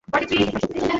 আমাদের কাজে অতিরিক্ত চাপ।